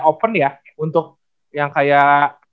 open ya untuk yang kayak